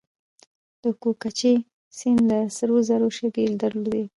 د کوکچې سیند د سرو زرو شګې درلودې